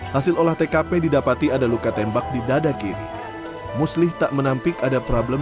hasil olah tkp didapati ada luka tembak di dada kiri muslih tak menampik ada problem